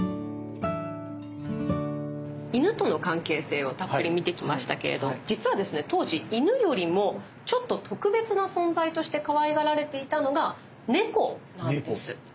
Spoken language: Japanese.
犬との関係性をたっぷり見てきましたけれど実はですね当時犬よりもちょっと特別な存在としてかわいがられていたのが猫なんです。